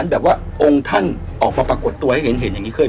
แล้วขุมมีด้วยไหมครับทั้ง๒สารนี้